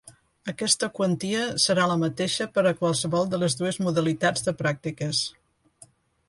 Aquesta quantia serà la mateixa per a qualsevol de les dues modalitats de pràctiques.